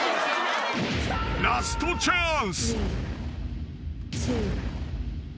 ［ラストチャンス］